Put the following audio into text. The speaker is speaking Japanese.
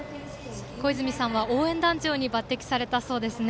こいずみさんは応援団長に抜擢されたそうですね。